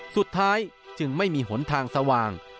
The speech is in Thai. สุดท้ายจึงไม่มีหนทางสว่าง